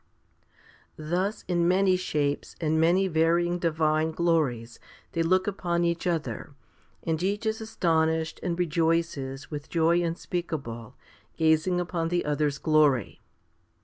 3. Thus in many shapes and many varying divine glories they look upon each other, and each is astonished and rejoices with joy unspeakable, 3 gazing upon the other's glory.